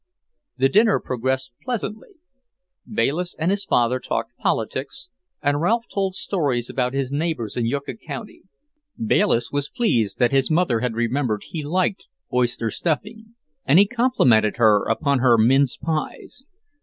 The dinner progressed pleasantly. Bayliss and his father talked politics, and Ralph told stories about his neighbours in Yucca county. Bayliss was pleased that his mother had remembered he liked oyster stuffing, and he complimented her upon her mince pies.